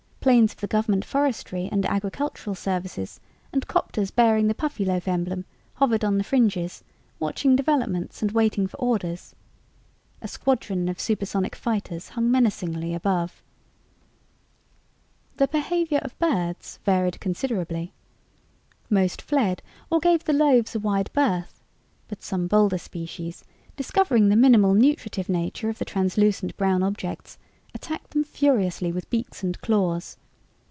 Planes of the government forestry and agricultural services and 'copters bearing the Puffyloaf emblem hovered on the fringes, watching developments and waiting for orders. A squadron of supersonic fighters hung menacingly above. The behavior of birds varied considerably. Most fled or gave the loaves a wide berth, but some bolder species, discovering the minimal nutritive nature of the translucent brown objects, attacked them furiously with beaks and claws.